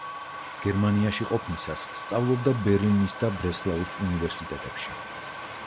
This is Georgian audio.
გერმანიაში ყოფნისას სწავლობდა ბერლინისა და ბრესლაუს უნივერსიტეტებში.